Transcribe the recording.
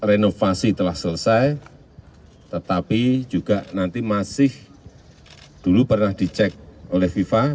ini pasti telah selesai tetapi juga nanti masih dulu pernah dicek oleh viva